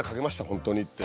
本当にって。